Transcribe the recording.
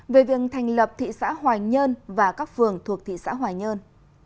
về việc thành lập thị xã hoài nhơn và các phường thuộc thị xã hoài nhơn